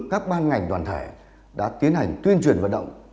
các ban ngành đoàn thể đã tiến hành tuyên truyền vận động